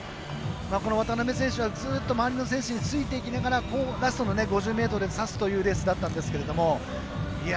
渡邊選手はずっと周りの選手についていきながら最後の５０ｍでさすというレースだったんですけれども。